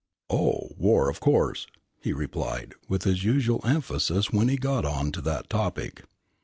"Oh, war, of course!" he replied, with his usual emphasis when he got on to that topic.